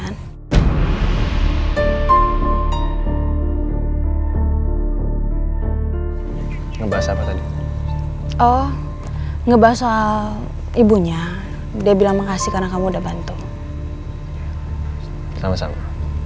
oh ngebahas soal ibunya dia bilang makasih karena kamu udah bantu sama sama